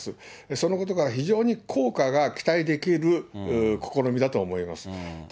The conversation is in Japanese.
そのことから、非常に効果が期待できる試みだと思います。